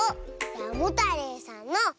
モタレイさんの「モ」！